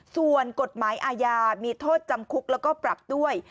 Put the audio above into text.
ส่วนกฎหมายอาญามีโทษจำคุกแล้วก็ปรับด้วย